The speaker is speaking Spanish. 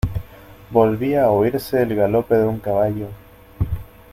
volvía a oírse el galope de un caballo.